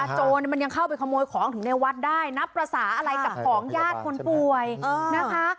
โจรมันยังเข้าไปขโมยของถึงในวัดได้นับภาษาอะไรกับของญาติคนป่วยนะคะ